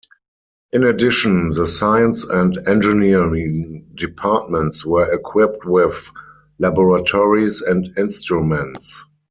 In addition, the Science and Engineering Departments were equipped with laboratories and instruments.